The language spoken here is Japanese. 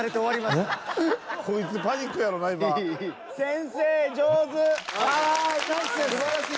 すばらしい。